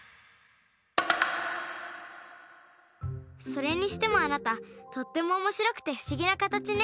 それにしてもあなたとってもおもしろくてふしぎなかたちね。